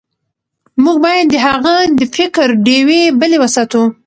موږ باید د هغه د فکر ډیوې بلې وساتو.